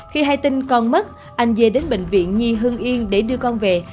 khi hai tinh con mất anh dê đến bệnh viện nhi hương yên để đưa con về